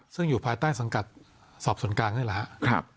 ซึ่งอยู่ภายใต้สังกัดสอบส่วนกลางนี่แหละครับ